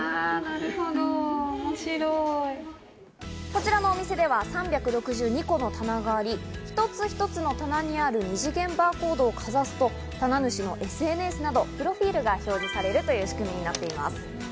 こちらのお店では３６２個の棚があり、一つ一つの棚にある二次元バーコードをかざすと、棚主のＳＮＳなどプロフィールが表示されるという仕組みになっています。